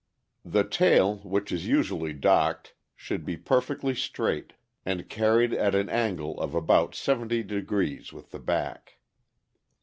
The tail, which is usually docked, should be perfectly straight, and carried at an angle of about seventy degrees with the back.